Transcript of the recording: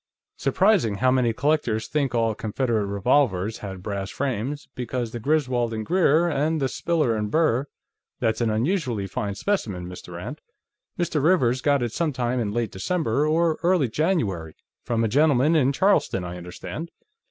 "Surprising how many collectors think all Confederate revolvers had brass frames, because of the Griswold & Grier, and the Spiller & Burr.... That's an unusually fine specimen, Mr. Rand. Mr. Rivers got it sometime in late December or early January; from a gentleman in Charleston, I understand.